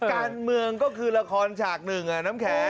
การเมืองก็คือละครฉากหนึ่งน้ำแข็ง